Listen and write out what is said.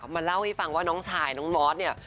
มาเล่าให้ฟังว่าน้องชายน้องมอสเนี่ย